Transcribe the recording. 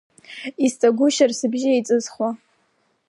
Исҵагәшьар, сыбжьы еиҵыхуа.